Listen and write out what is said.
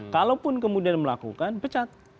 kalaupun kemudian melakukan pecat